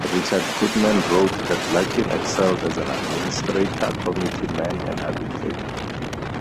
Richard Goodman wrote that Larkin excelled as an administrator, committee man and arbitrator.